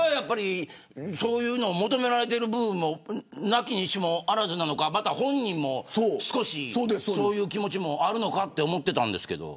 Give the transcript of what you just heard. そういうのを求められてる部分がなきにしもあらずなのか本人も少しそういう気持ちがあるのかと思ってましたけど。